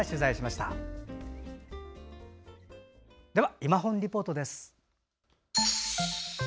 「いまほんリポート」です。